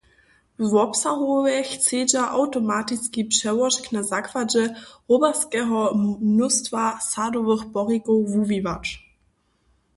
Wobsahowje chcedźa awtomatiski přełožk na zakładźe hoberskeho mnóstwa sadowych porikow wuwiwać.